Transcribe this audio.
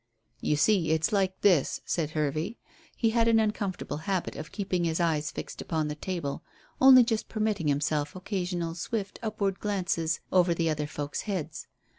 "You see, it's like this," said Hervey. He had an uncomfortable habit of keeping his eyes fixed upon the table, only just permitting himself occasional swift upward glances over the other folk's heads.